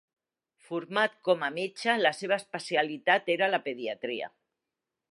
Format com a metge, la seva especialitat era la pediatria.